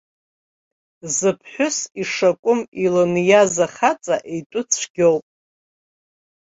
Зыԥҳәыс ишакәым илыниаз ахаҵа итәы цәгьоуп.